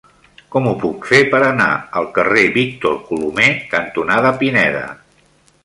Com ho puc fer per anar al carrer Víctor Colomer cantonada Pineda?